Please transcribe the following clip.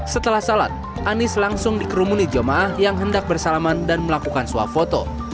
setelah salat anies langsung dikerumuni jemaah yang hendak bersalaman dan melakukan suap foto